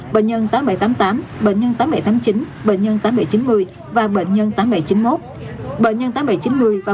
bệnh nhân tám nghìn bảy trăm tám mươi tám bệnh nhân tám nghìn bảy trăm tám mươi chín bệnh nhân tám nghìn bảy trăm chín mươi và bệnh nhân tám nghìn bảy trăm chín mươi một